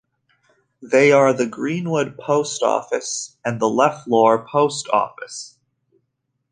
They are the Greenwood Post Office and the Leflore Post Office.